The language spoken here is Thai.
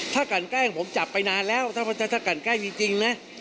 ถ้ากันแกล้งผมจับไปนานแล้วถ้ากันแกล้งจริงนะ